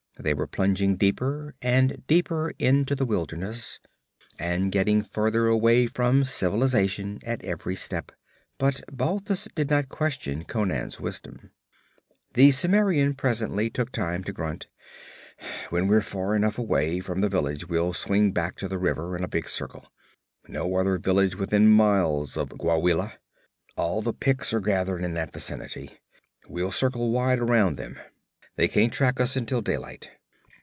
They were plunging deeper and deeper into the wilderness and getting farther away from civilization at every step, but Balthus did not question Conan's wisdom. The Cimmerian presently took time to grunt: 'When we're far enough away from the village we'll swing back to the river in a big circle. No other village within miles of Gwawela. All the Picts are gathered in that vicinity. We'll circle wide around them. They can't track us until daylight.